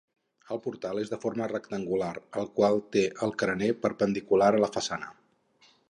El portal és de forma rectangular, el qual té el carener perpendicular a la façana.